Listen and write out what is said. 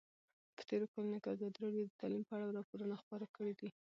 په تېرو کلونو کې ازادي راډیو د تعلیم په اړه راپورونه خپاره کړي دي.